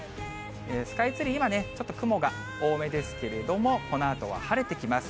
スカイツリー、今ね、ちょっと雲が多めですけれども、このあとは晴れてきます。